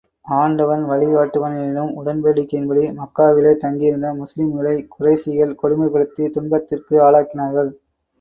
ஆண்டவன் வழி காட்டுவான் எனினும், உடன்படிக்கையின்படி, மக்காவிலே தங்கியிருந்த முஸ்லிம்களைக் குறைஷிகள் கொடுமைப்படுத்தி துன்பத்துக்கு ஆளாக்கினார்கள்.